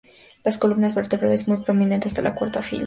Las columna vertebral es muy prominente hasta la cuarta fila.